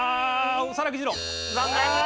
残念！